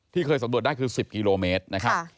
เคยสำรวจได้คือ๑๐กิโลเมตรนะครับ